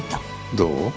どう？